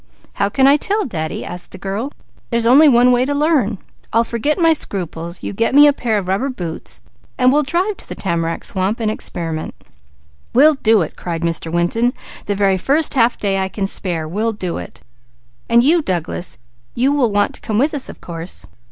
"How can I tell, Daddy?" asked the girl. "There's only one way to learn. I'll forget my scruples, you get me a pair of rubber boots, then we'll drive to the tamarack swamp and experiment." "We'll do it!" cried Mr. Winton. "The very first half day I can spare, we'll do it. And you Douglas, you will want to come with us, of course."